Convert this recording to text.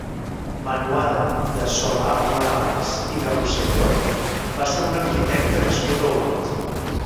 Manuel de Solà-Morales i de Rosselló va ser un arquitecte nascut a Olot.